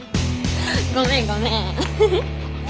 ごめんごめん。